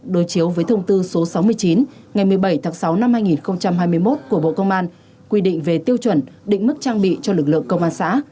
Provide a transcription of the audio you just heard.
đối chiếu với thông tư số sáu mươi chín ngày một mươi bảy tháng sáu năm hai nghìn hai mươi một của bộ công an quy định về tiêu chuẩn định mức trang bị cho lực lượng công an xã